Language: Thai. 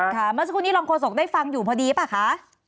เมื่อสักครู่นี้รองโฆษกได้ฟังอยู่พอดีป่ะคะ